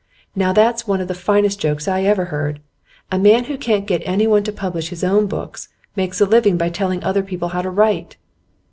Now that's one of the finest jokes I ever heard. A man who can't get anyone to publish his own books makes a living by telling other people how to write!